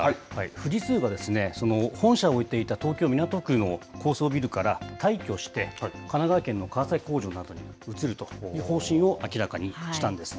富士通が本社を置いていた東京・港区の高層ビルから退去して、神奈川県の川崎工場などに移るという方針を明らかにしたんです。